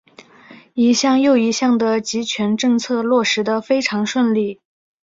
一项又一项的极权政策落实得非常顺利。